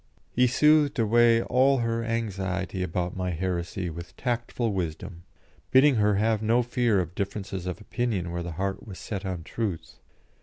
He soothed away all her anxiety about my heresy with tactful wisdom, bidding her have no fear of differences of opinion where the heart was set on truth.